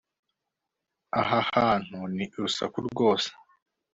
Aha hantu ni urusaku rwose